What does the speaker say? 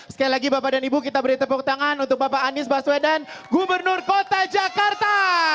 sekali lagi bapak dan ibu kita beri tepuk tangan untuk bapak anies baswedan gubernur kota jakarta